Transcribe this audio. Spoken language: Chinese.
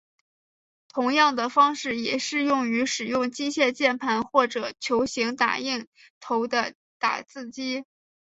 同样的方式也适用于使用机械键盘或者球形打印头的打字机。